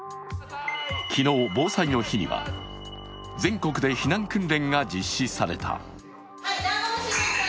昨日、防災の日には全国で避難訓練が実施された。